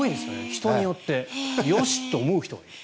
人によってよし！と思う人がいる。